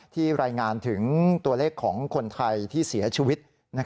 รายงานถึงตัวเลขของคนไทยที่เสียชีวิต